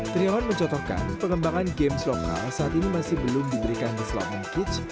triangan mencotorkan pengembangan games lokal saat ini masih belum diberikan ke slot market